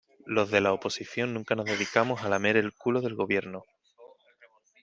Los de la oposición nunca nos dedicamos a lamer el culo del Gobierno.